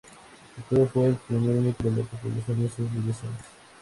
Empero, fue el único de la tripulación en sufrir lesiones.